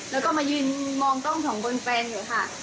แล้วก็มายืนมองกล้องของบนแฟนอยู่ค่ะ